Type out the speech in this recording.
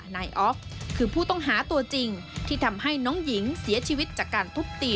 นายออฟคือผู้ต้องหาตัวจริงที่ทำให้น้องหญิงเสียชีวิตจากการทุบตี